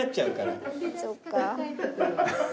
そっか。